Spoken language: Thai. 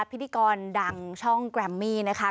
พิธีกรดังช่องแกรมมี่นะคะ